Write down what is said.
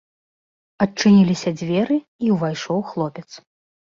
Адчыніліся дзверы, і ўвайшоў хлопец.